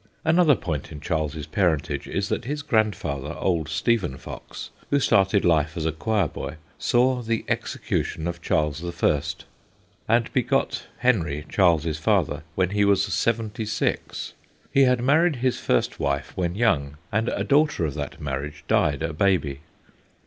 Another point in Charles's parentage is that his grand father, old Stephen Fox, who started life as a choir boy, saw the execution of Charles the First, and begot Henry, Charles's father, when he was seventy six. He had married A JUDICIOUS PARENT 225 his first wife when young, and a daughter of that marriage died a baby.